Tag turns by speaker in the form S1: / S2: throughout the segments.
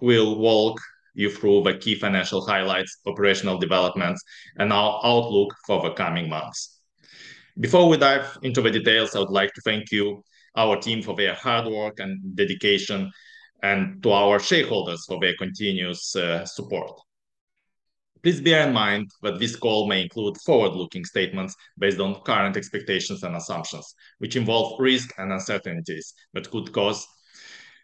S1: We'll walk you through the key financial highlights, operational developments, and our outlook for the coming months. Before we dive into the details, I would like to thank our team for their hard work and dedication, and to our shareholders for their continuous support. Please bear in mind that this call may include forward-looking statements based on current expectations and assumptions, which involve risk and uncertainties that could cause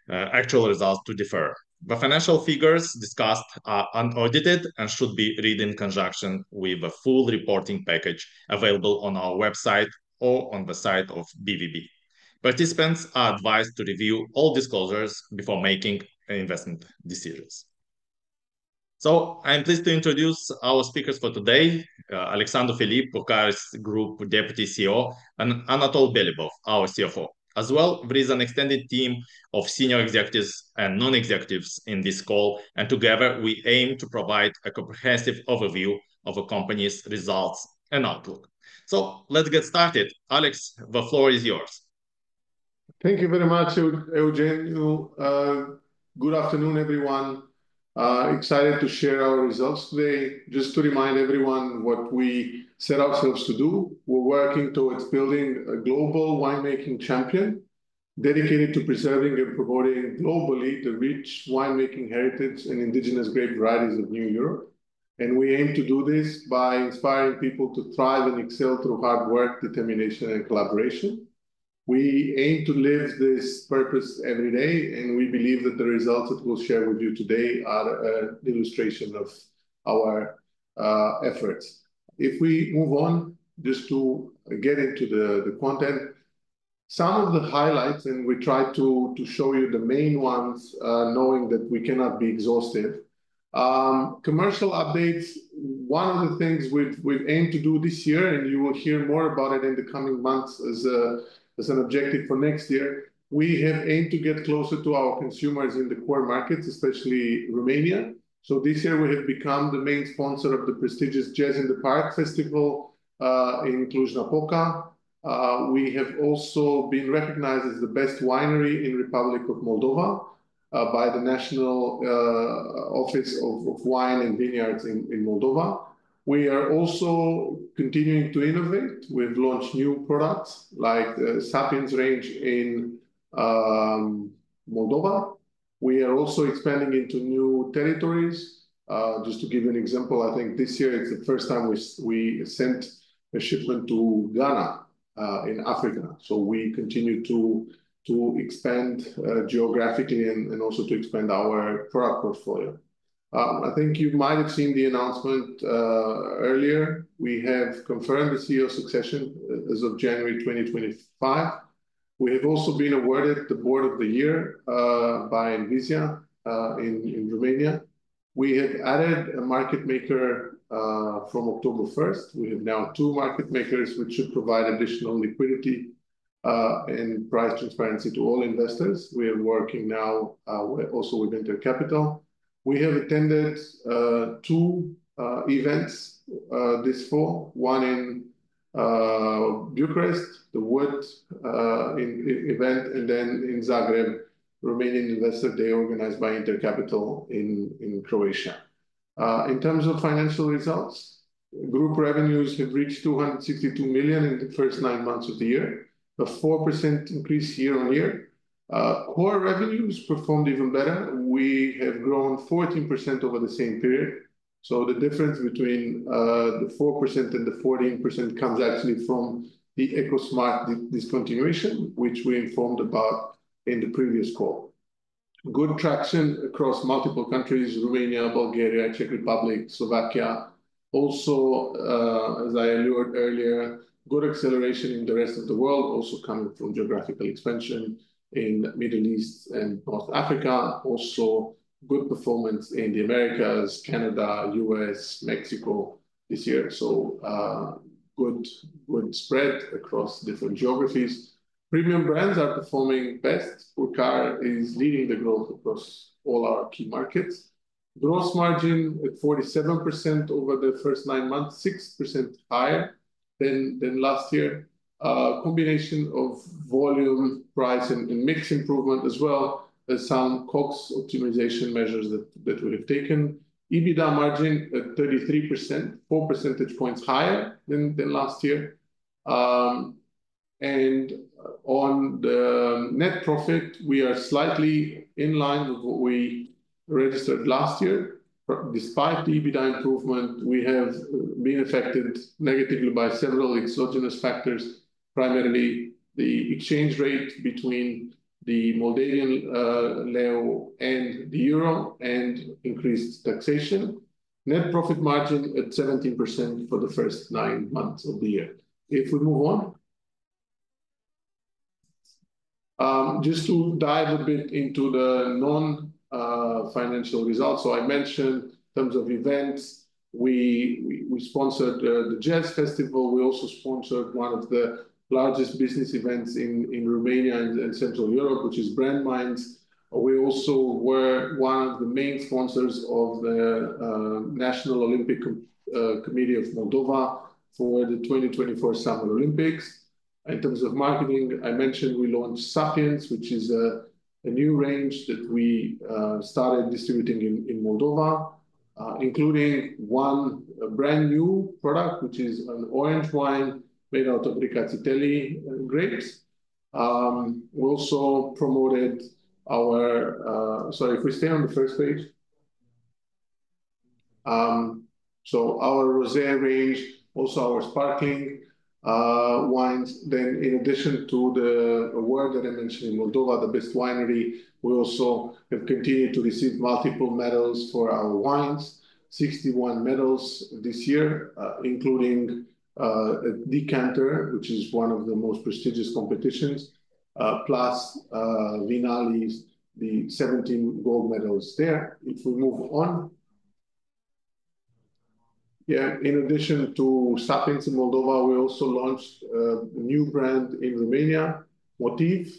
S1: actual results to differ. The financial figures discussed are unaudited and should be read in conjunction with the full reporting package available on our website or on the site of BVB. Participants are advised to review all disclosures before making investment decisions. So, I'm pleased to introduce our speakers for today: Alexandru Filip, Purcari's Group Deputy CEO, and Anatol Belibov, our CFO. As well, there is an extended team of senior executives and non-executives in this call, and together we aim to provide a comprehensive overview of a company's results and outlook. So let's get started. Alex, the floor is yours.
S2: Thank you very much, Eugeniu. Good afternoon, everyone. Excited to share our results today. Just to remind everyone what we set ourselves to do, we're working towards building a global winemaking champion dedicated to preserving and promoting globally the rich winemaking heritage and indigenous grape varieties of New Europe, and we aim to do this by inspiring people to thrive and excel through hard work, determination, and collaboration. We aim to live this purpose every day, and we believe that the results that we'll share with you today are an illustration of our efforts. If we move on, just to get into the content, some of the highlights, and we try to show you the main ones, knowing that we cannot be exhaustive. Commercial updates. One of the things we've aimed to do this year, and you will hear more about it in the coming months as an objective for next year, we have aimed to get closer to our consumers in the core markets, especially Romania. So this year, we have become the main sponsor of the prestigious Jazz in the Park Festival in Cluj-Napoca. We have also been recognized as the best winery in the Republic of Moldova by the National Office for Wine and Vineyards in Moldova. We are also continuing to innovate. We've launched new products like the Sapiens range in Moldova. We are also expanding into new territories. Just to give you an example, I think this year it's the first time we sent a shipment to Ghana in Africa. So we continue to expand geographically and also to expand our product portfolio. I think you might have seen the announcement earlier. We have confirmed the CEO succession as of January 2025. We have also been awarded the Board of the Year by Envisia in Romania. We have added a market maker from October 1st. We have now two market makers, which should provide additional liquidity and price transparency to all investors. We are working now also with InterCapital. We have attended two events this fall, one in Bucharest, the WOOD event, and then in Zagreb, Romanian Investor Day organized by InterCapital in Croatia. In terms of financial results, group revenues have reached RON 262 million in the first nine months of the year, a 4% increase year-on-year. Core revenues performed even better. We have grown 14% over the same period. The difference between the 4% and the 14% comes actually from the Ecosmart discontinuation, which we informed about in the previous call. Good traction across multiple countries: Romania, Bulgaria, Czech Republic, Slovakia. Also, as I alluded earlier, good acceleration in the rest of the world, also coming from geographical expansion in the Middle East and North Africa. Also, good performance in the Americas, Canada, U.S., Mexico this year. So good spread across different geographies. Premium brands are performing best. Purcari is leading the growth across all our key markets. Gross margin at 47% over the first nine months, 6% higher than last year. Combination of volume, price, and mix improvement, as well as some COGS optimization measures that we have taken. EBITDA margin at 33%, 4 percentage points higher than last year. And on the net profit, we are slightly in line with what we registered last year. Despite the EBITDA improvement, we have been affected negatively by several exogenous factors, primarily the exchange rate between the Moldovan leu and the euro and increased taxation. Net profit margin at 17% for the first nine months of the year. If we move on, just to dive a bit into the non-financial results. So I mentioned in terms of events, we sponsored the Jazz Festival. We also sponsored one of the largest business events in Romania and Central Europe, which is Brand Minds. We also were one of the main sponsors of the National Olympic Committee of Moldova for the 2024 Summer Olympics. In terms of marketing, I mentioned we launched Sapiens, which is a new range that we started distributing in Moldova, including one brand new product, which is an orange wine made out of Rkatsiteli grapes. We also promoted our, sorry, if we stay on the first page. Our Rosé range, also our sparkling wines. Then, in addition to the award that I mentioned in Moldova, the Best Winery, we also have continued to receive multiple medals for our wines, 61 medals this year, including Decanter, which is one of the most prestigious competitions, plus Vinalies, the 17 gold medals there. If we move on. Yeah, in addition to Sapiens in Moldova, we also launched a new brand in Romania, Motiv,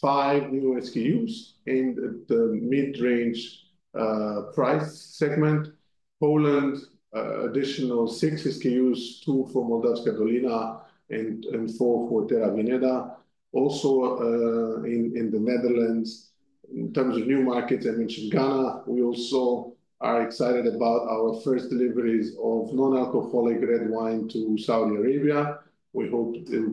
S2: five new SKUs in the mid-range price segment. Poland, additional six SKUs, two for Moldavska Dolina and four for Terra Vinea. Also in the Netherlands, in terms of new markets, I mentioned Ghana. We also are excited about our first deliveries of non-alcoholic red wine to Saudi Arabia. We hope there will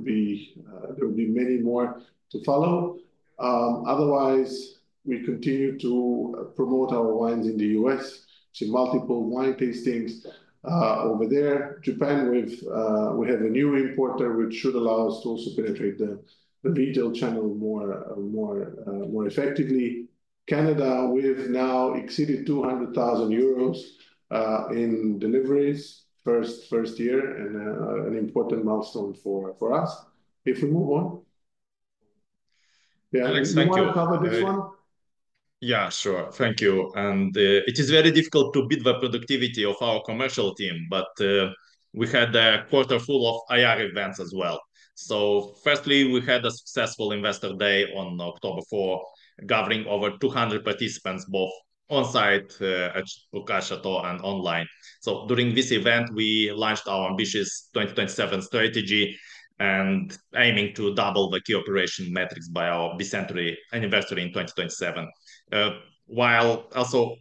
S2: be many more to follow. Otherwise, we continue to promote our wines in the US to multiple wine tastings over there. Japan, we have a new importer, which should allow us to also penetrate the retail channel more effectively. Canada, we've now exceeded 200,000 euros in deliveries first year, and an important milestone for us. If we move on.
S1: Yeah, Alex, thank you.
S2: Eugeniu, do you want to cover this
S1: Yeah, sure. Thank you. It is very difficult to beat the productivity of our commercial team, but we had a quarter full of IR events as well. Firstly, we had a successful investor day on October 4, gathering over 200 participants, both on-site at Purcari and online. During this event, we launched our ambitious 2027 strategy aiming to double the key operation metrics by our bicentenary anniversary in 2027. We also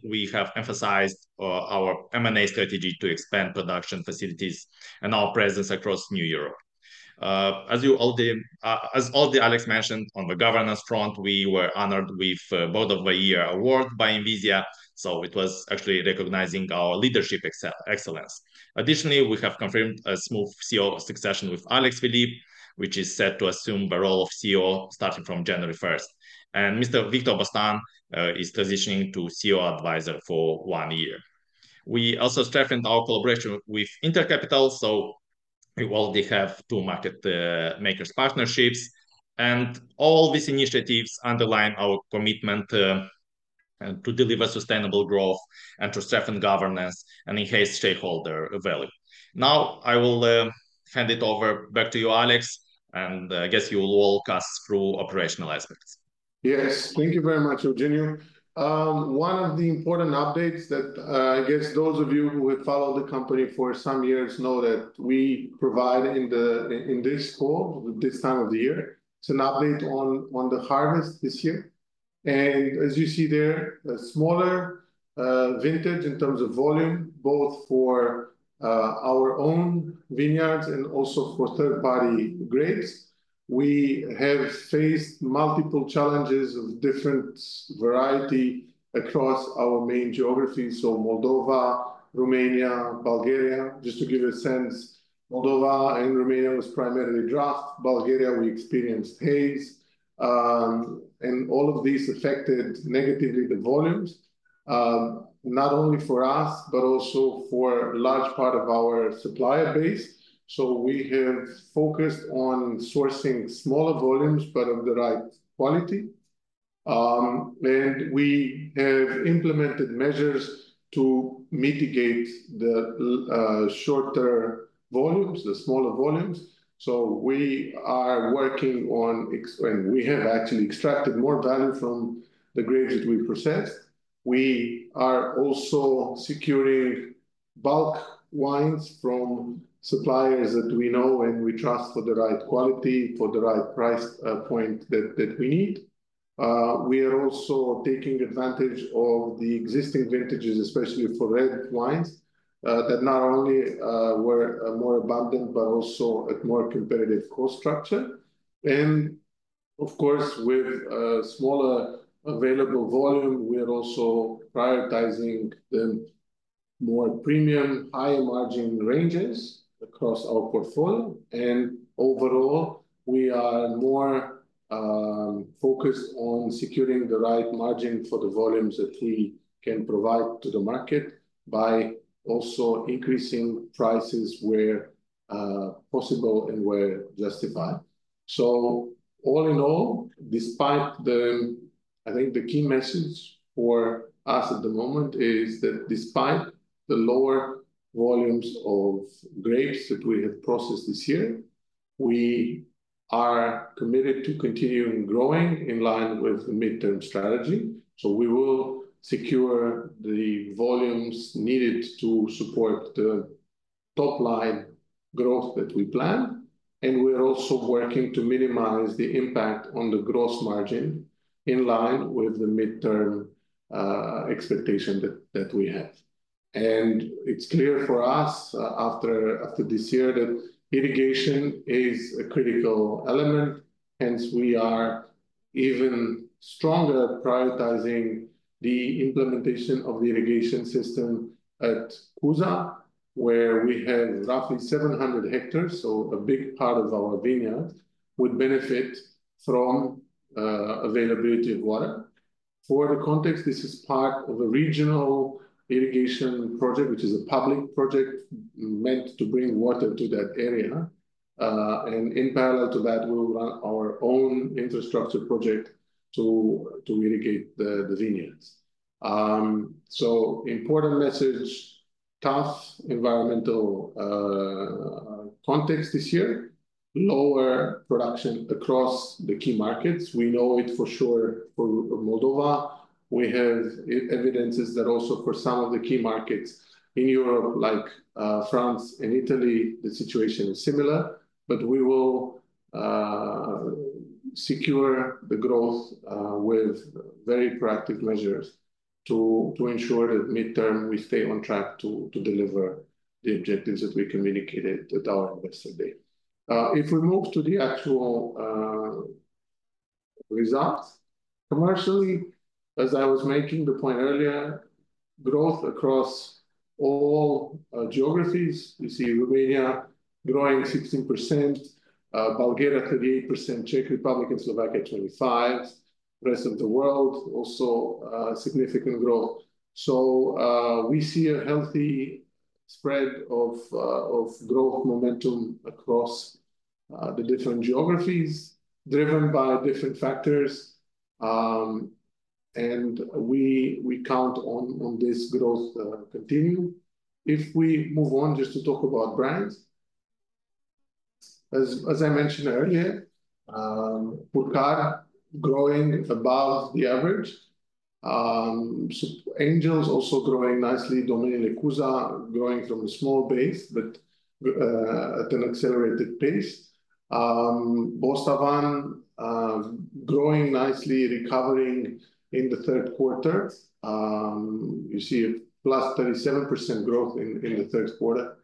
S1: emphasized our M&A strategy to expand production facilities and our presence across New Europe. As Alex mentioned, on the governance front, we were honored with the Board of the Year award by Envisia. It was actually recognizing our leadership excellence. Additionally, we have confirmed a smooth CEO succession with Alex Filip, which is set to assume the role of CEO starting from January 1st. Mr. Victor Bostan is transitioning to CEO advisor for one year. We also strengthened our collaboration with InterCapital. So we already have two market makers partnerships. And all these initiatives underline our commitment to deliver sustainable growth and to strengthen governance and enhance stakeholder value. Now, I will hand it over back to you, Alex, and I guess you will walk us through operational aspects.
S2: Yes, thank you very much, Eugeniu. One of the important updates that I guess those of you who have followed the company for some years know that we provide in this fall, this time of the year. It's an update on the harvest this year. And as you see there, a smaller vintage in terms of volume, both for our own vineyards and also for third-party grapes. We have faced multiple challenges of different variety across our main geographies. So Moldova, Romania, Bulgaria. Just to give you a sense, Moldova and Romania was primarily drought. Bulgaria, we experienced hail. And all of these affected negatively the volumes, not only for us, but also for a large part of our supplier base. So we have focused on sourcing smaller volumes, but of the right quality. And we have implemented measures to mitigate the shorter volumes, the smaller volumes. We are working on, and we have actually extracted more value from the grapes that we process. We are also securing bulk wines from suppliers that we know and we trust for the right quality, for the right price point that we need. We are also taking advantage of the existing vintages, especially for red wines, that not only were more abundant, but also at more competitive cost structure. Of course, with a smaller available volume, we are also prioritizing the more premium, higher margin ranges across our portfolio. Overall, we are more focused on securing the right margin for the volumes that we can provide to the market by also increasing prices where possible and where justified. All in all, despite the, I think the key message for us at the moment is that despite the lower volumes of grapes that we have processed this year, we are committed to continuing growing in line with the midterm strategy. We will secure the volumes needed to support the top-line growth that we plan. We are also working to minimize the impact on the gross margin in line with the midterm expectation that we have. It is clear for us after this year that irrigation is a critical element. Hence, we are even stronger at prioritizing the implementation of the irrigation system at Cuza, where we have roughly 700 hectares. A big part of our vineyard would benefit from availability of water. For the context, this is part of a regional irrigation project, which is a public project meant to bring water to that area. In parallel to that, we will run our own infrastructure project to irrigate the vineyards. Important message, tough environmental context this year, lower production across the key markets. We know it for sure for Moldova. We have evidences that also for some of the key markets in Europe, like France and Italy, the situation is similar. We will secure the growth with very proactive measures to ensure that midterm we stay on track to deliver the objectives that we communicated at our investor day. If we move to the actual results, commercially, as I was making the point earlier, growth across all geographies. You see Romania growing 16%, Bulgaria 38%, Czech Republic and Slovakia 25%, rest of the world also significant growth. We see a healthy spread of growth momentum across the different geographies driven by different factors. We count on this growth continue. If we move on just to talk about brands. As I mentioned earlier, Purcari growing above the average. Angel's also growing nicely, Domeniile Cuza, growing from a small base, but at an accelerated pace. Bostavan growing nicely, recovering in the third quarter. You see a plus 37% growth in the third quarter,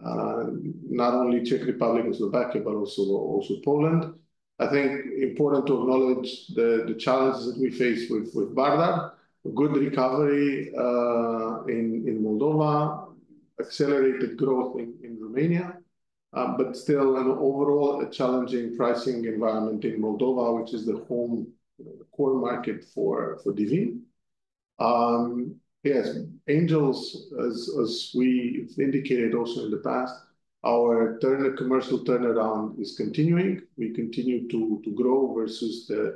S2: not only Czech Republic and Slovakia, but also Poland. I think important to acknowledge the challenges that we face with Bardar, a good recovery in Moldova, accelerated growth in Romania, but still an overall challenging pricing environment in Moldova, which is the home core market for Divin. Yes, Angel's, as we indicated also in the past, our commercial turnaround is continuing. We continue to grow versus the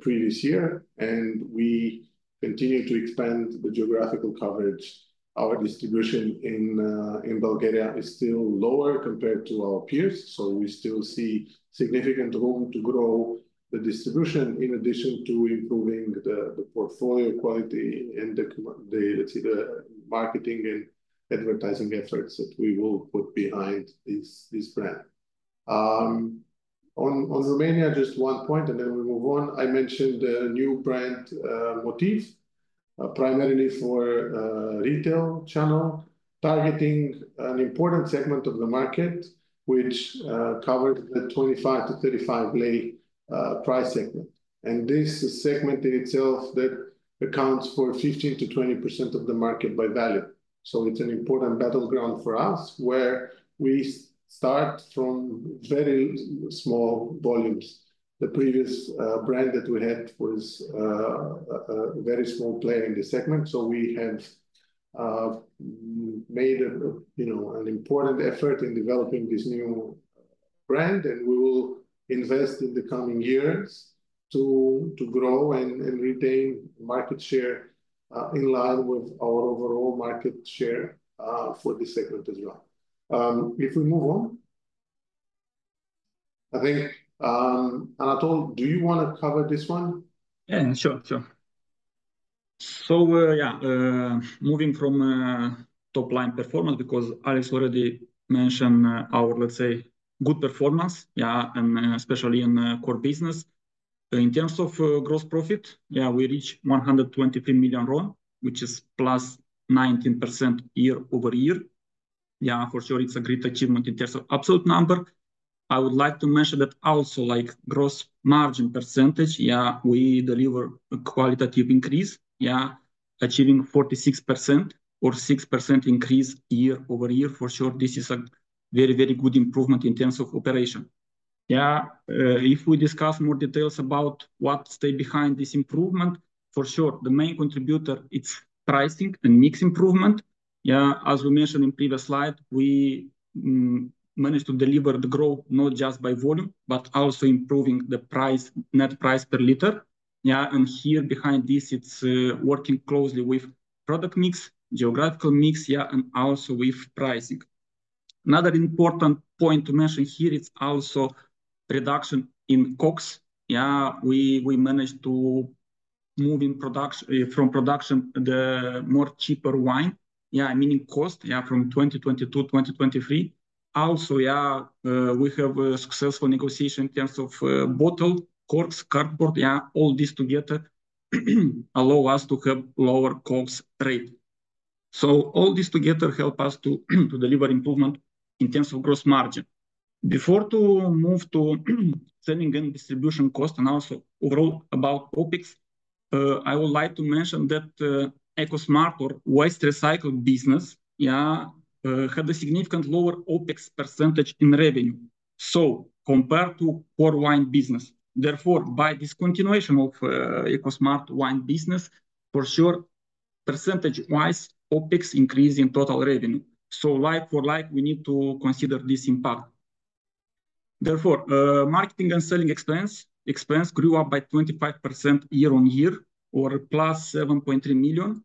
S2: previous year. And we continue to expand the geographical coverage. Our distribution in Bulgaria is still lower compared to our peers. So we still see significant room to grow the distribution in addition to improving the portfolio quality and the marketing and advertising efforts that we will put behind this brand. On Romania, just one point, and then we move on. I mentioned the new brand Motiv, primarily for retail channel, targeting an important segment of the market, which covers the 25-35 lei price segment. And this segment in itself that accounts for 15%-20% of the market by value. So it's an important battleground for us where we start from very small volumes. The previous brand that we had was a very small player in the segment. So we have made an important effort in developing this new brand. And we will invest in the coming years to grow and retain market share in line with our overall market share for this segment as well. If we move on. I think Anatol, do you want to cover this one?
S3: Yeah, sure, sure. So yeah, moving from top-line performance, because Alex already mentioned our, let's say, good performance, yeah, and especially in core business. In terms of gross profit, yeah, we reached RON 123 million, which is plus 19% year-over-year. Yeah, for sure, it's a great achievement in terms of absolute number. I would like to mention that also like gross margin percentage, yeah, we deliver a qualitative increase, yeah, achieving 46% or 6% increase year-over-year. For sure, this is a very, very good improvement in terms of operation. Yeah, if we discuss more details about what stayed behind this improvement, for sure, the main contributor, it's pricing and mix improvement. Yeah, as we mentioned in previous slide, we managed to deliver the growth not just by volume, but also improving the net price per liter. And here behind this, it's working closely with product mix, geographical mix, and also with pricing. Another important point to mention here, it's also reduction in COGS. We managed to move from production the more cheaper wine, meaning cost, from 2022, 2023. Also, we have a successful negotiation in terms of bottle, COGS, cardboard, all this together allow us to have lower COGS rate. So all this together help us to deliver improvement in terms of gross margin. Before to move to selling and distribution cost and also overall about OPEX, I would like to mention that Ecosmart or waste recycled business had a significant lower OPEX percentage in revenue. So compared to core wine business. Therefore, by this continuation of Ecosmart wine business, for sure, percentage-wise, OPEX increase in total revenue. So like for like, we need to consider this impact. Therefore, marketing and selling expense grew up by 25% year-on-year or plus 7.3 million,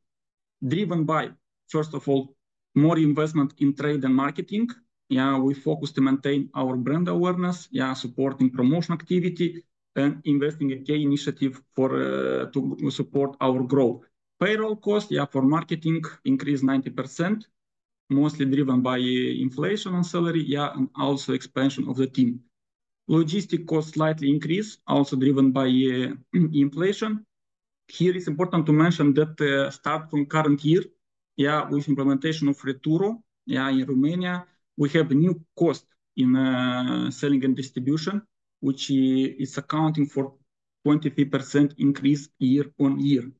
S3: driven by, first of all, more investment in trade and marketing. Yeah, we focused to maintain our brand awareness, yeah, supporting promotion activity and investing in key initiative to support our growth. Payroll cost, yeah, for marketing increased 90%, mostly driven by inflation on salary, yeah, and also expansion of the team. Logistic cost slightly increased, also driven by inflation. Here it's important to mention that start from current year, yeah, with implementation of RetuRO, yeah, in Romania, we have a new cost in selling and distribution, which is accounting for 23% increase year-on-year.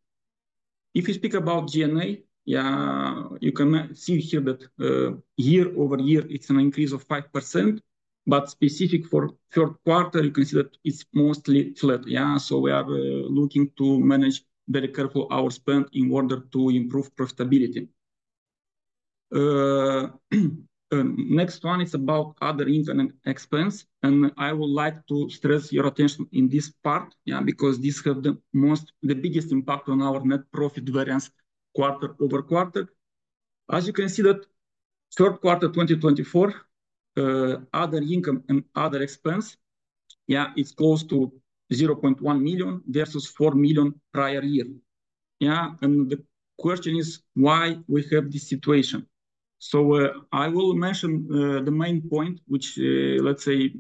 S3: If you speak about G&A, yeah, you can see here that year-over-year, it's an increase of 5%. But specific for third quarter, you can see that it's mostly flat, yeah. So we are looking to manage very careful our spend in order to improve profitability. Next one, it's about other income and expense. And I would like to stress your attention in this part, yeah, because this had the biggest impact on our net profit variance quarter over quarter. As you can see that third quarter 2024, other income and other expense, yeah, it's close to RON 0.1 million versus RON 4 million prior year. Yeah, and the question is, why we have this situation? So I will mention the main point, which, let's say,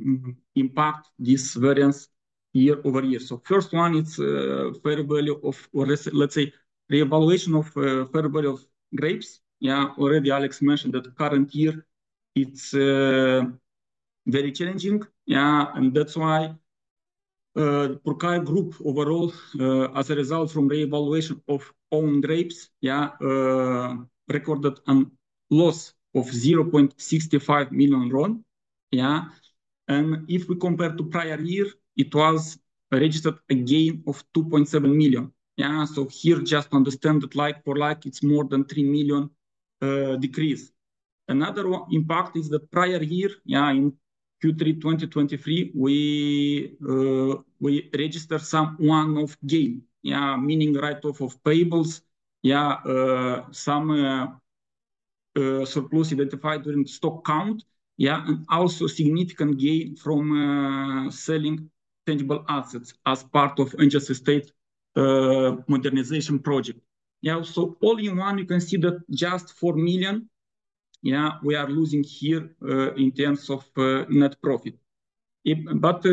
S3: impact this variance year-over-year. So first one, it's fair value of, or let's say, reevaluation of fair value of grapes. Yeah, already Alex mentioned that current year, it's very challenging, yeah. And that's why Purcari Group overall, as a result from reevaluation of own grapes, yeah, recorded a loss of RON 0.65 million. Yeah. And if we compare to prior year, it was registered a gain of RON 2.7 million . Yeah. So here, just to understand that like for like, it's more than RON 3 million decrease. Another impact is the prior year, yeah, in Q3 2023, we registered some one-off gain, yeah, meaning write-off of payables, yeah, some surplus identified during stock count, yeah, and also significant gain from selling tangible assets as part of Angel's Estate modernization project. Yeah. So all in all, you can see that just RON 4 million, yeah, we are losing here in terms of net profit. But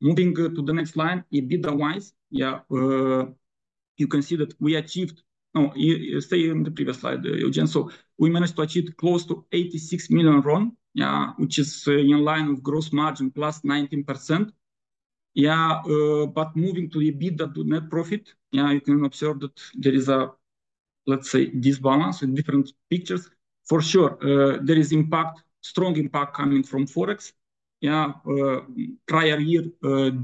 S3: moving to the next line, EBITDA wise, yeah, you can see that we achieved, no, stay in the previous slide, Eugene. So we managed to achieve close to RON 86 million, yeah, which is in line with gross margin plus 19%. Yeah. But moving to EBITDA to net profit, yeah, you can observe that there is a, let's say, imbalance in different pictures. For sure, there is impact, strong impact coming from Forex. Yeah. Prior year,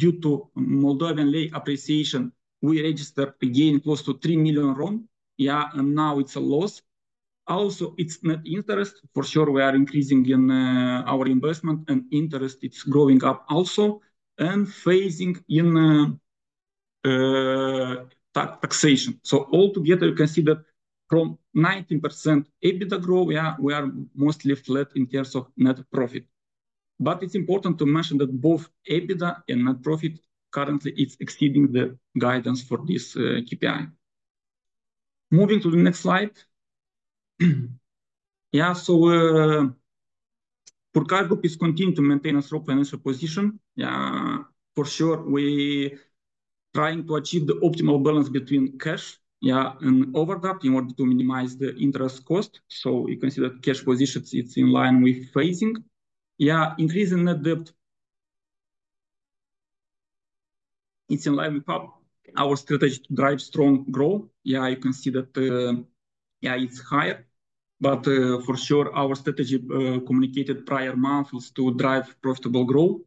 S3: due to Moldovan leu appreciation, we registered again close to RON 3 million. Yeah. And now it's a loss. Also, it's net interest. For sure, we are increasing in our investment and interest. It's growing up also and phasing in taxation. So altogether, you can see that from 19% EBITDA growth, yeah, we are mostly flat in terms of net profit. But it's important to mention that both EBITDA and net profit currently, it's exceeding the guidance for this KPI. Moving to the next slide. Yeah. So Purcari Group is continuing to maintain a strong financial position. Yeah. For sure, we are trying to achieve the optimal balance between cash, yeah, and overdraft in order to minimize the interest cost. So you can see that cash positions, it's in line with phasing. Yeah. Increasing net debt. It's in line with our strategy to drive strong growth. Yeah. You can see that, yeah, it's higher. But for sure, our strategy communicated prior month was to drive profitable growth.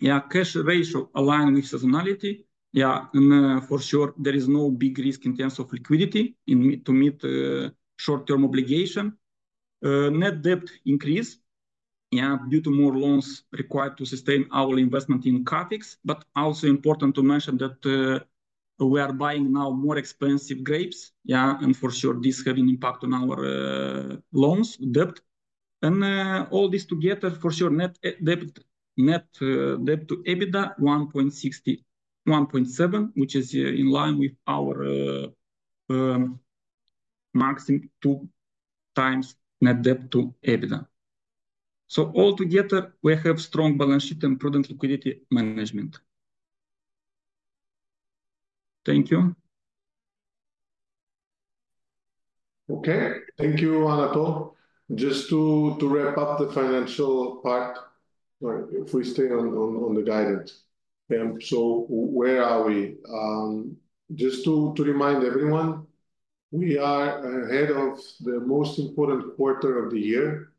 S3: Yeah. Cash ratio aligned with seasonality. Yeah. And for sure, there is no big risk in terms of liquidity to meet short-term obligation. Net debt increase, yeah, due to more loans required to sustain our investment in CAPEX. But also important to mention that we are buying now more expensive grapes. Yeah. And for sure, this has an impact on our loans debt. All this together, for sure, net debt to EBITDA 1.60-1.7, which is in line with our maximum two times net debt to EBITDA. All together, we have strong balance sheet and prudent liquidity management. Thank you.
S2: Okay. Thank you, Anatol. Just to wrap up the financial part, if we stay on the guidance. And so where are we? Just to remind everyone, we are ahead of the most important quarter of the year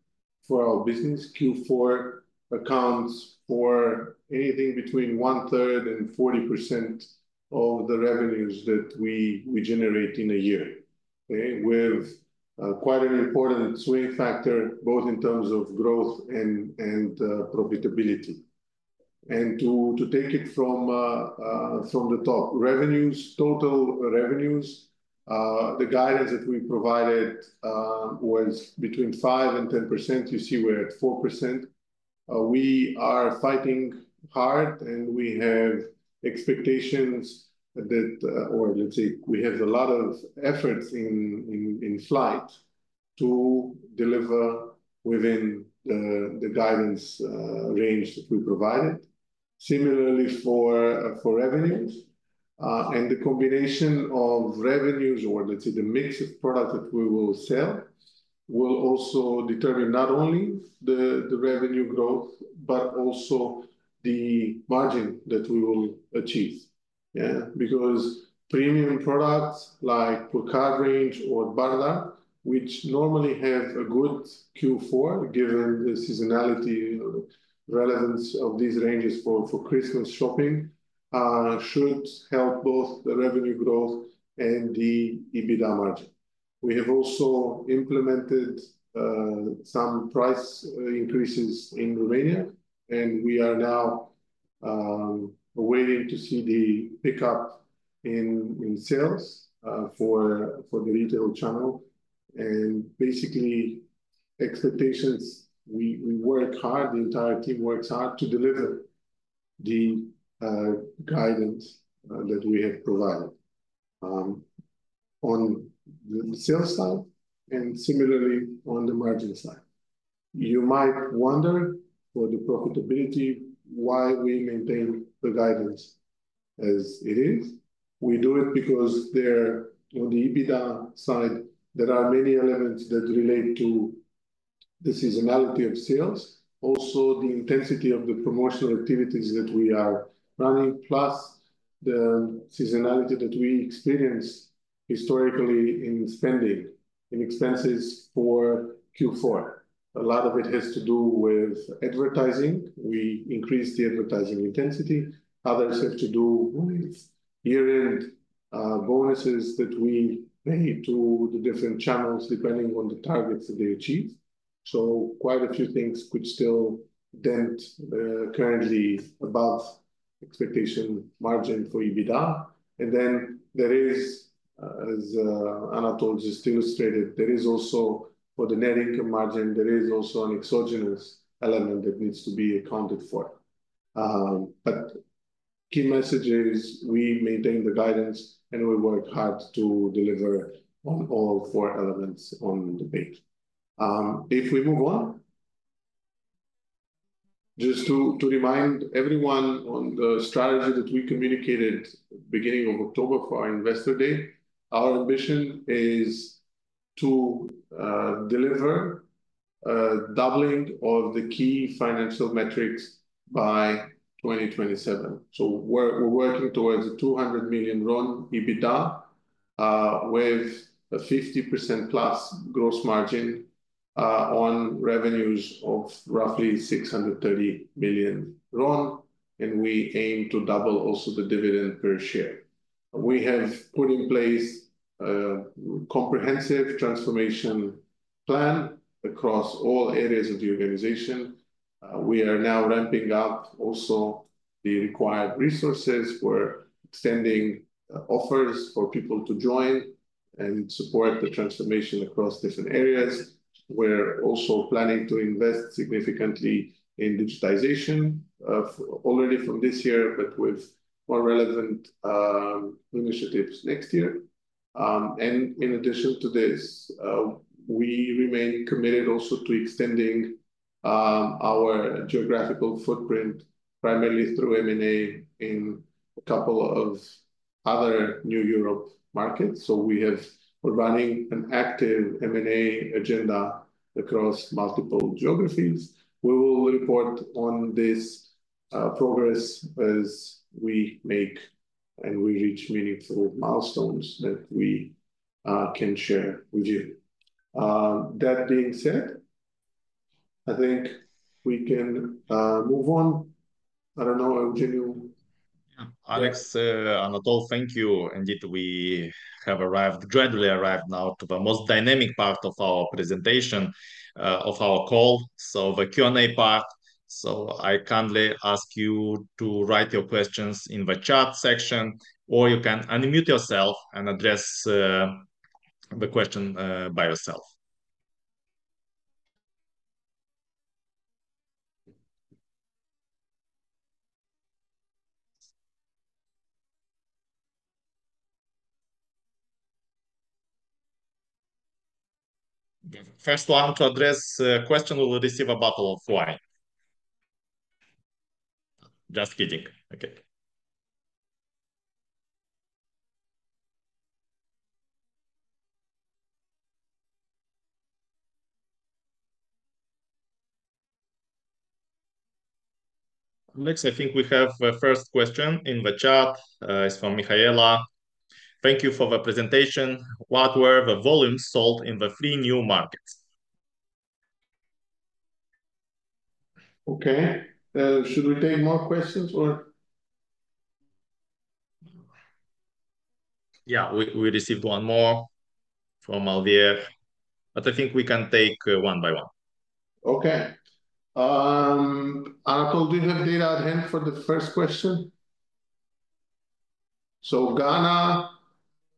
S2: for our business. Q4 accounts for anything between one-third and 40% of the revenues that we generate in a year. Okay. With quite an important swing factor, both in terms of growth and profitability. And to take it from the top, revenues, total revenues, the guidance that we provided was between 5%-10%. You see we're at 4%. We are fighting hard and we have expectations that, or let's say we have a lot of efforts in flight to deliver within the guidance range that we provided. Similarly for revenues. The combination of revenues or let's say the mix of products that we will sell will also determine not only the revenue growth, but also the margin that we will achieve. Yeah. Because premium products like Purcari Wineries or Bardar, which normally have a good Q4 given the seasonality, relevance of these ranges for Christmas shopping, should help both the revenue growth and the EBITDA margin. We have also implemented some price increases in Romania. We are now waiting to see the pickup in sales for the retail channel. Basically expectations, we work hard, the entire team works hard to deliver the guidance that we have provided on the sales side and similarly on the margin side. You might wonder for the profitability why we maintain the guidance as it is. We do it because there on the EBITDA side, there are many elements that relate to the seasonality of sales, also the intensity of the promotional activities that we are running, plus the seasonality that we experience historically in spending, in expenses for Q4. A lot of it has to do with advertising. We increase the advertising intensity. Others have to do with year-end bonuses that we pay to the different channels depending on the targets that they achieve. So quite a few things could still dent currently above expectation margin for EBITDA. And then there is, as Anatol just illustrated, there is also for the net income margin, there is also an exogenous element that needs to be accounted for. But key message is we maintain the guidance and we work hard to deliver on all four elements on the date. If we move on, just to remind everyone on the strategy that we communicated beginning of October for our investor day, our ambition is to deliver doubling of the key financial metrics by 2027. So we're working towards RON 200 million EBITDA with a 50% plus gross margin on revenues of roughly RON 630 million. And we aim to double also the dividend per share. We have put in place a comprehensive transformation plan across all areas of the organization. We are now ramping up also the required resources for extending offers for people to join and support the transformation across different areas. We're also planning to invest significantly in digitization already from this year, but with more relevant initiatives next year. And in addition to this, we remain committed also to extending our geographical footprint primarily through M&A in a couple of other New Europe markets. So we have running an active M&A agenda across multiple geographies. We will report on this progress as we make and we reach meaningful milestones that we can share with you. That being said, I think we can move on. I don't know, Eugeniu.
S1: Yeah. Alex, Anatol, thank you. And yet we have arrived, gradually arrived now to the most dynamic part of our presentation, of our call, so the Q&A part. So I kindly ask you to write your questions in the chat section, or you can unmute yourself and address the question by yourself. The first one to address a question will receive a bottle of wine. Just kidding. Okay. Alex, I think we have a first question in the chat. It's from Mihaela. Thank you for the presentation. What were the volumes sold in the three new markets?
S2: Okay. Should we take more questions or?
S1: Yeah. We received one more from Oliver. But I think we can take one by one.
S2: Okay. Anatol, do you have data at hand for the first question? Ghana,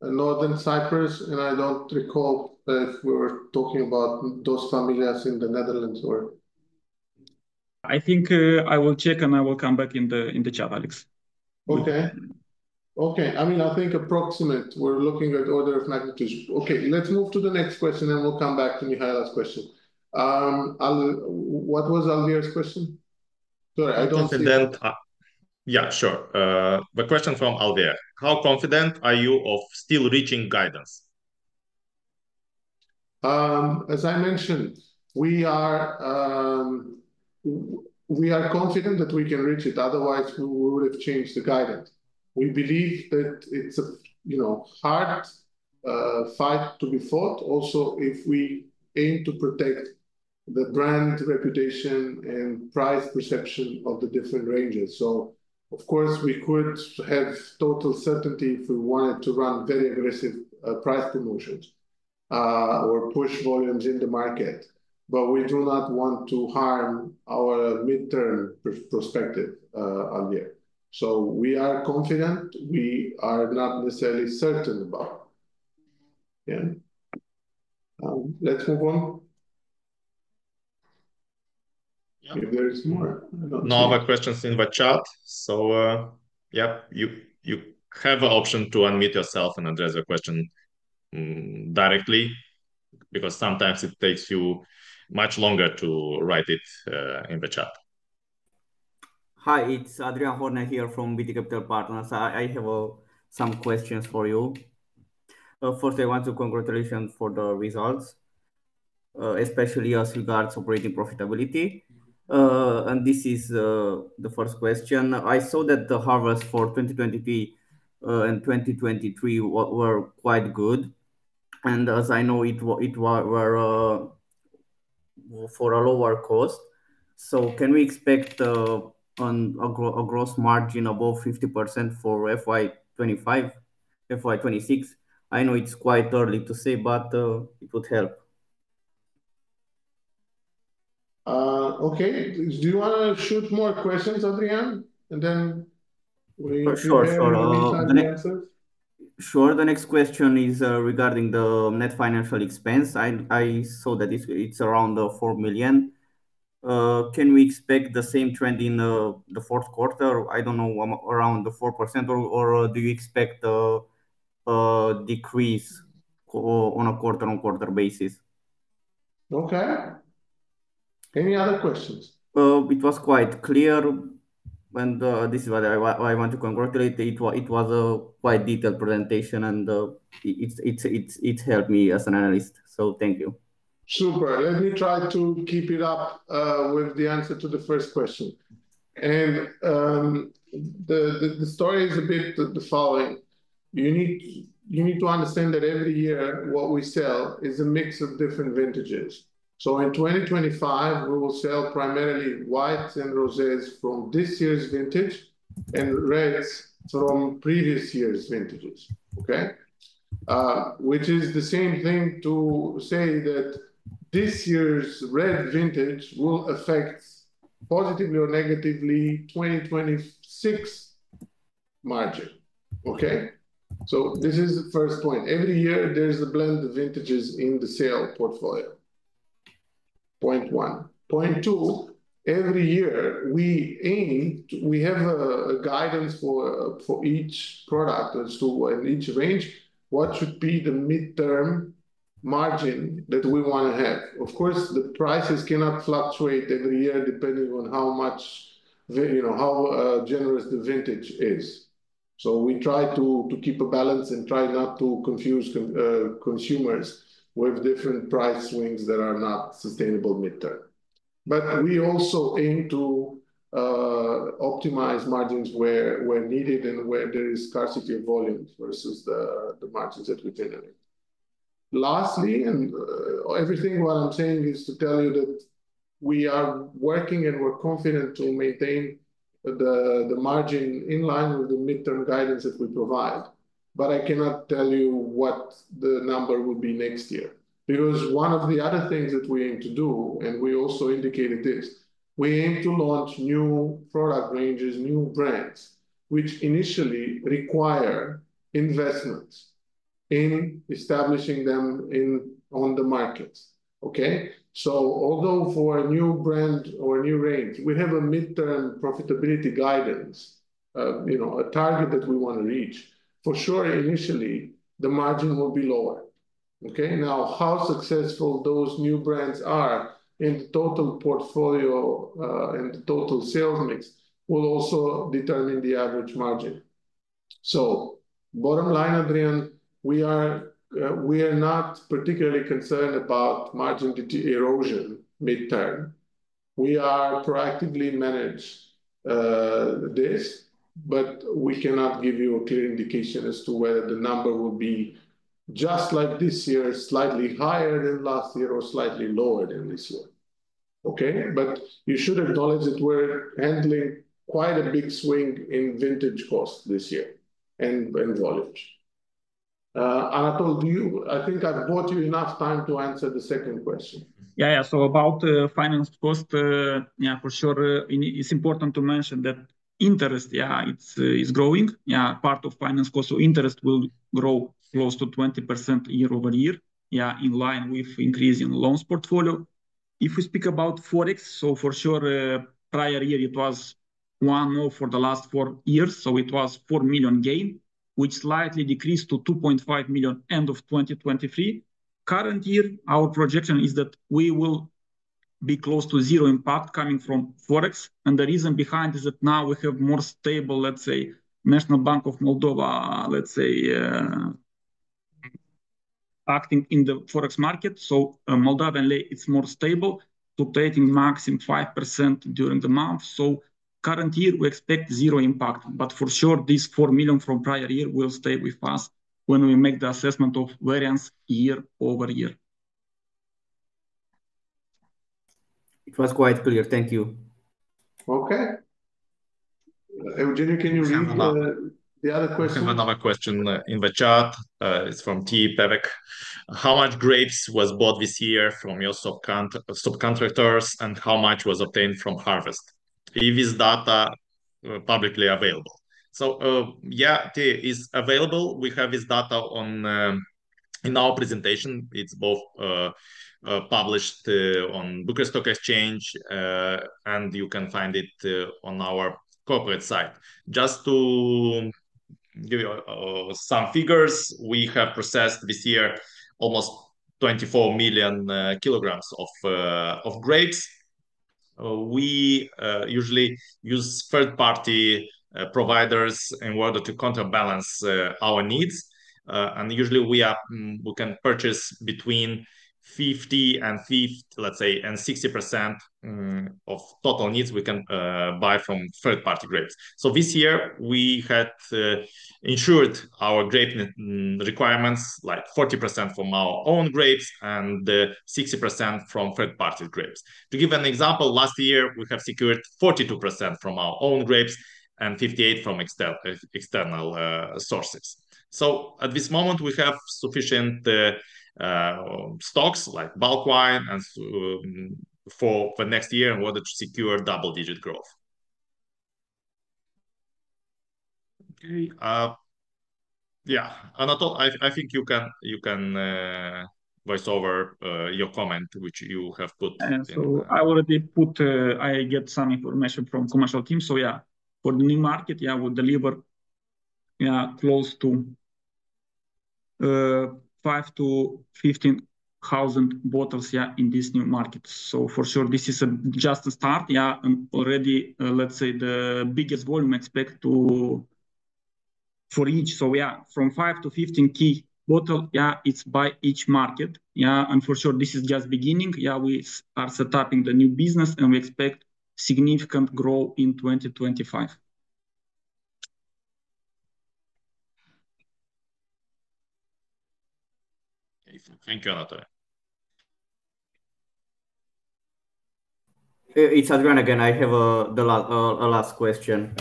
S2: Northern Cyprus, and I don't recall if we were talking about those familiar in the Netherlands or?
S3: I think I will check and I will come back in the chat, Alex.
S2: Okay. Okay. I mean, I think approximate. We're looking at order of magnitude. Okay. Let's move to the next question and we'll come back to Mihaela's question. What was Oliver's question? Sorry, I don't see.
S1: Yeah, sure. The question from Oliver. How confident are you of still reaching guidance?
S2: As I mentioned, we are confident that we can reach it. Otherwise, we would have changed the guidance. We believe that it's a hard fight to be fought. Also, if we aim to protect the brand reputation and price perception of the different ranges. So of course, we could have total certainty if we wanted to run very aggressive price promotions or push volumes in the market. But we do not want to harm our midterm perspective, Oliver. So we are confident. We are not necessarily certain about. Yeah. Let's move on. If there is more.
S1: No other questions in the chat. So yeah, you have an option to unmute yourself and address the question directly because sometimes it takes you much longer to write it in the chat.
S4: Hi, it's Adrian Hornea here from BT Capital Partners. I have some questions for you. First, I want to congratulate you for the results, especially as regards operating profitability, and this is the first question. I saw that the harvest for 2023 and 2023 were quite good, and as I know, it were for a lower cost. So can we expect a gross margin above 50% for FY25, FY26? I know it's quite early to say, but it would help.
S2: Okay. Do you want to shoot more questions, Adrian? And then we should answer.
S4: Sure. The next question is regarding the net financial expense. I saw that it's around four million. Can we expect the same trend in the fourth quarter? I don't know, around the 4%, or do you expect a decrease on a quarter-on-quarter basis?
S2: Okay. Any other questions?
S4: It was quite clear, and this is why I want to congratulate. It was a quite detailed presentation, and it helped me as an analyst, so thank you.
S2: Super. Let me try to keep it up with the answer to the first question. And the story is a bit the following. You need to understand that every year, what we sell is a mix of different vintages. So in 2025, we will sell primarily whites and roses from this year's vintage and reds from previous year's vintages, okay? Which is the same thing to say that this year's red vintage will affect positively or negatively 2026 margin. Okay? So this is the first point. Every year, there's a blend of vintages in the sale portfolio. Point one. Point two, every year, we have a guidance for each product and each range, what should be the midterm margin that we want to have. Of course, the prices cannot fluctuate every year depending on how generous the vintage is. So we try to keep a balance and try not to confuse consumers with different price swings that are not sustainable midterm. But we also aim to optimize margins where needed and where there is scarcity of volume versus the margins that we generate. Lastly, and everything what I'm saying is to tell you that we are working and we're confident to maintain the margin in line with the midterm guidance that we provide. But I cannot tell you what the number will be next year because one of the other things that we aim to do, and we also indicated this, we aim to launch new product ranges, new brands, which initially require investments in establishing them on the markets. Okay? So although for a new brand or a new range, we have a midterm profitability guidance, a target that we want to reach, for sure, initially, the margin will be lower. Okay? Now, how successful those new brands are in the total portfolio and the total sales mix will also determine the average margin. So bottom line, Adrian, we are not particularly concerned about margin erosion midterm. We are proactively manage this, but we cannot give you a clear indication as to whether the number will be just like this year, slightly higher than last year or slightly lower than this year. Okay? But you should acknowledge that we're handling quite a big swing in vintage cost this year and volumes. Anatol, I think I've bought you enough time to answer the second question.
S3: So about finance cost, for sure, it's important to mention that interest, it's growing. Part of finance cost, so interest will grow close to 20% year-over-year, in line with increasing loans portfolio. If we speak about Forex, so for sure, prior year, it was 1.0 for the last four years. So it was 4 million gain, which slightly decreased to 2.5 million end of 2023. Current year, our projection is that we will be close to zero impact coming from Forex. The reason behind is that now we have more stable, let's say, National Bank of Moldova, let's say, acting in the Forex market. So Moldovan lei, it's more stable to trading maximum 5% during the month. So current year, we expect zero impact. But for sure, this 4 million from prior year will stay with us when we make the assessment of variance year-over-year.
S4: It was quite clear. Thank you.
S2: Okay. Eugeniu, can you read the other question?
S1: I have another question in the chat. It's from T Pavec. How much grapes was bought this year from your subcontractors and how much was obtained from harvest? Is this data publicly available? So yeah, it is available. We have this data in our presentation. It's both published on Bucharest Stock Exchange, and you can find it on our corporate site. Just to give you some figures, we have processed this year almost 24 million kilograms of grapes. We usually use third-party providers in order to counterbalance our needs. And usually, we can purchase between 50% and 60% of total needs we can buy from third-party grapes. So this year, we had ensured our grape requirements like 40% from our own grapes and 60% from third-party grapes. To give an example, last year, we have secured 42% from our own grapes and 58% from external sources. So at this moment, we have sufficient stocks like bulk wine for next year in order to secure double-digit growth. Okay. Yeah. Anatol, I think you can voice over your comment, which you have put.
S3: I already got some information from the commercial team. For the new market, we deliver close to 5,000-15,000 bottles in this new market. For sure, this is just a start. And already, let's say the biggest volume expected for each. From 5,000-15,000 bottles, it's by each market. For sure, this is just beginning. We are setting up the new business, and we expect significant growth in 2025.
S1: Thank you, Anatol.
S4: It's Adrian again. I have a last question.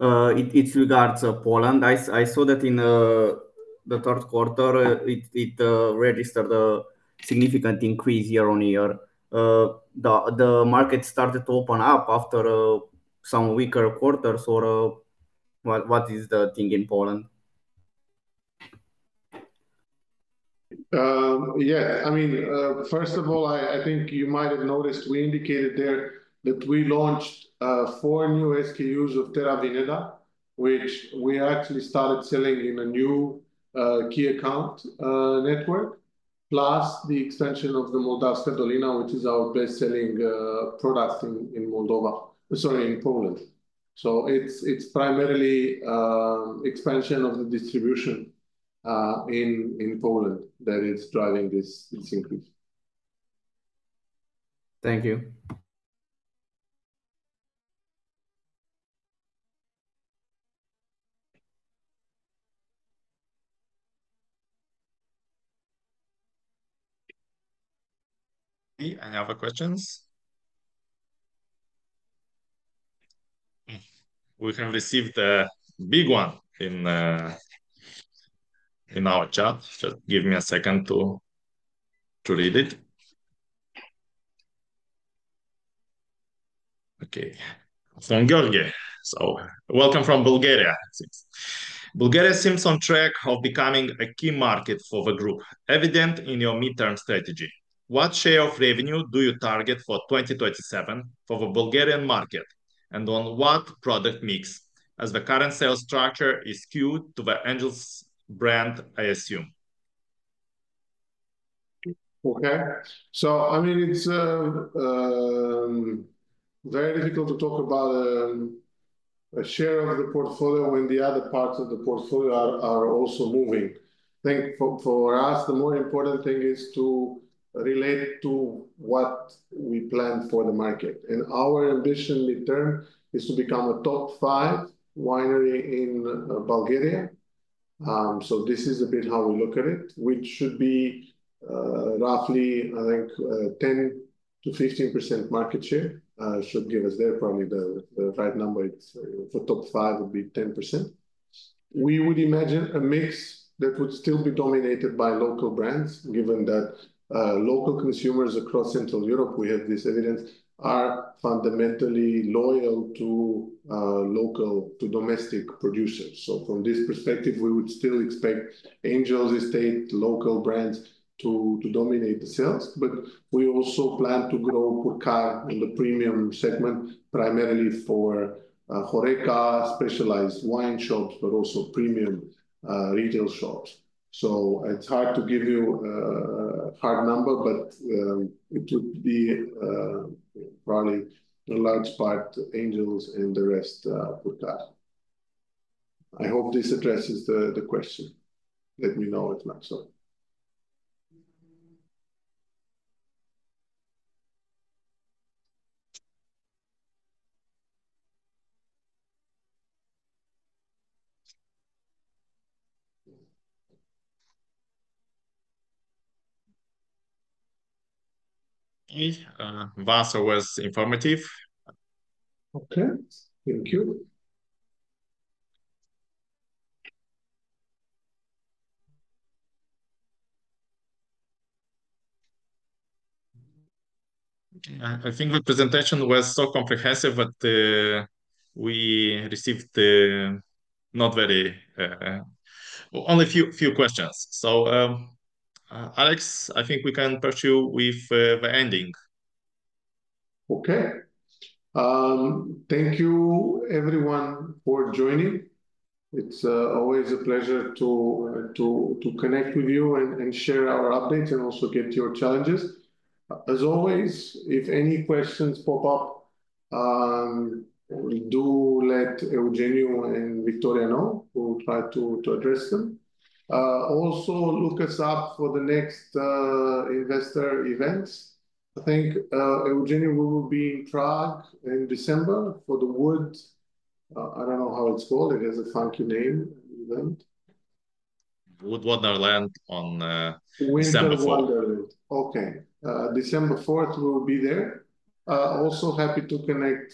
S4: It's regarding Poland. I saw that in the third quarter, it registered a significant increase year on year. The market started to open up after some weaker quarters. Or what is the thing in Poland?
S2: Yeah. I mean, first of all, I think you might have noticed we indicated there that we launched four new SKUs of Terra Vinea, which we actually started selling in a new key account network, plus the extension of the Moldavska Dolina, which is our best-selling product in Moldova, sorry, in Poland. So it's primarily expansion of the distribution in Poland that is driving this increase.
S4: Thank you.
S1: Any other questions? We can receive the big one in our chat. Just give me a second to read it. Okay. From Georgi. So welcome from Bulgaria. Bulgaria seems on track of becoming a key market for the group, evident in your midterm strategy. What share of revenue do you target for 2027 for the Bulgarian market, and on what product mix, as the current sales structure is queued to the Angel's brand, I assume?
S2: Okay. So I mean, it's very difficult to talk about a share of the portfolio when the other parts of the portfolio are also moving. For us, the more important thing is to relate to what we plan for the market. And our ambition midterm is to become a top five winery in Bulgaria. So this is a bit how we look at it, which should be roughly, I think, 10%-15% market share should give us there probably the right number. For top five, it would be 10%. We would imagine a mix that would still be dominated by local brands, given that local consumers across Central Europe, we have this evidence, are fundamentally loyal to domestic producers. So from this perspective, we would still expect Angel's Estate local brands to dominate the sales. But we also plan to grow Purcari in the premium segment, primarily for HoReCa specialized wine shops, but also premium retail shops. So it's hard to give you a hard number, but it would be probably a large part Angel's and the rest Purcari. I hope this addresses the question. Let me know if not, so.
S1: Okay. It was informative.
S2: Okay. Thank you.
S1: I think the presentation was so comprehensive that we received not very many, only a few questions. So Alex, I think we can proceed with the ending.
S2: Okay. Thank you, everyone, for joining. It's always a pleasure to connect with you and share our updates and also get your challenges. As always, if any questions pop up, do let Eugeniu and Victoria know. We'll try to address them. Also, look us up for the next investor events. I think Eugeniu will be in Prague in December for the WOOD. I don't know how it's called. It has a funky name, event.
S1: Winter Wonderland on December 4th.
S2: Winter Wonderland. Okay. December 4th, we'll be there. Also happy to connect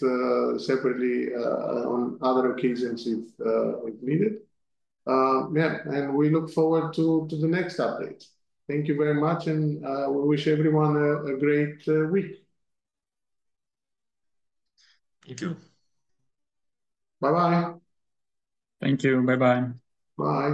S2: separately on other occasions if needed. Yeah. And we look forward to the next update. Thank you very much, and we wish everyone a great week.
S1: Thank you.
S2: Bye-bye.
S4: Thank you. Bye-bye.
S2: Bye.